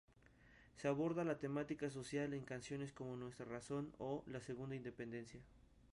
Se aborda la temática social en canciones como "Nuestra razón" o "La segunda Independencia".